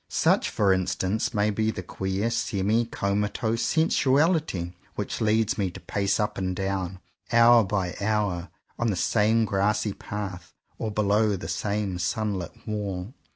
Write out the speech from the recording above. Such for instance may be the queer semi comatose sensuaHty which leads me to pace up and down, hour by hour, on the same grassy path or below the same sunlit wall.